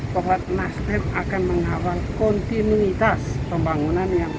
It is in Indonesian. bahwa nasdem akan mengawal kontinuitas pembangunan yang